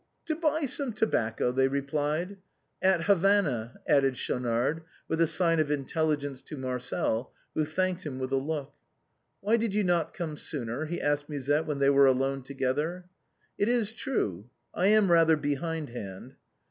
" To buy some tobacco," they replied. "At Havana," added Schaunard, with a sign of intelli gence to Marcel, who thanked him with a look. "Why did you not come sooner?" he asked Musette when they were alone together. " It is true, I am rather behindhand."